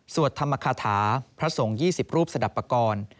สวดธรรมคาถาพระสงฆ์๒๐รูปสดับประกอล